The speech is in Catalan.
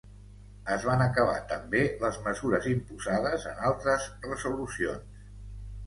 Es van acabar també les mesures imposades en altres resolucions.